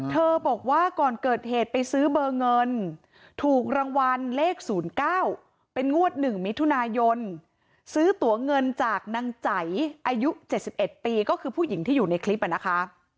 บอกว่าก่อนเกิดเหตุไปซื้อเบอร์เงินถูกรางวัลเลข๐๙เป็นงวด๑มิถุนายนซื้อตัวเงินจากนางใจอายุ๗๑ปีก็คือผู้หญิงที่อยู่ในคลิปนะคะ